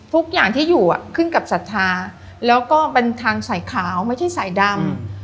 ทุกอย่างที่อยู่ขึ้นกับศรัทธาแล้วก็เป็นทางสายขาวไม่ใช่สายดำ